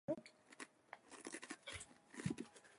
He wrote a "Treatise on the Existence of God".